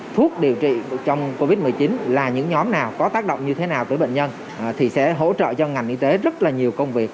thuốc điều trị trong covid một mươi chín là những nhóm nào có tác động như thế nào tới bệnh nhân thì sẽ hỗ trợ cho ngành y tế rất là nhiều công việc